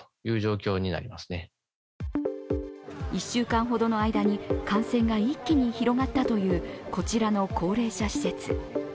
１週間ほどの間に感染が一気に広がったというこちらの高齢者施設。